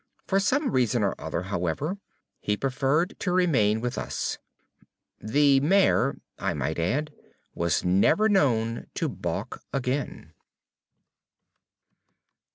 For some reason or other, however, he preferred to remain with us. The mare, I might add, was never known to balk again.